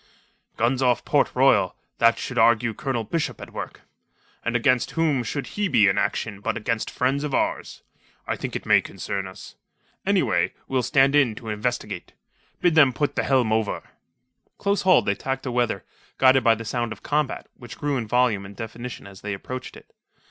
"Guns off Port Royal... that should argue Colonel Bishop at work. And against whom should he be in action but against friends of ours I think it may concern us. Anyway, we'll stand in to investigate. Bid them put the helm over." Close hauled they tacked aweather, guided by the sound of combat, which grew in volume and definition as they approached it.